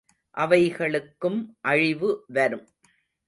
அவைகளுக்கும் அழிவு வரும்.